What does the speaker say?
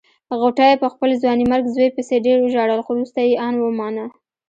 غوټۍ په خپل ځوانيمرګ زوی پسې ډېر وژړل خو روسته يې ان ومانه.